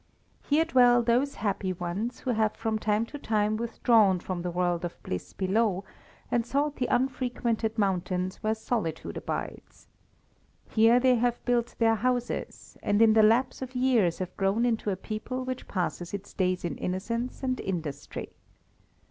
Here dwell those happy ones who have from time to time withdrawn from the world of bliss below, and sought the unfrequented mountains where solitude abides. Here they have built their houses, and in the lapse of years have grown into a people which passes its days in innocence and industry.